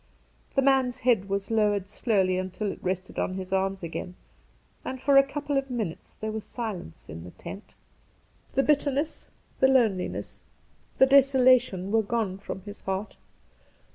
The man's head was lowered slowly untU it rested on his arms again, and for a couple of minutes there was silence in the tent. The bitterness, the loneliness, the desolation were gone from his heart.